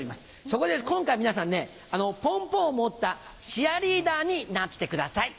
そこで今回は皆さんねポンポンを持ったチアリーダーになってください。